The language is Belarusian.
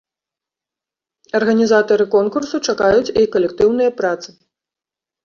Арганізатары конкурсу чакаюць і калектыўныя працы!